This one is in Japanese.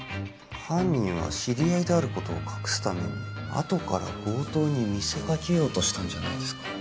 犯人は知り合いであることを隠すためにあとから強盗に見せかけようとしたんじゃないですかね